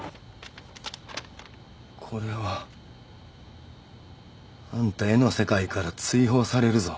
これは。あんた絵の世界から追放されるぞ。